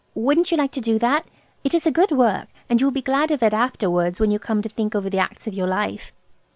Wouldn't you like to do that? It is a good work, and you will be glad of it afterwards, when you come to think over the acts of your life."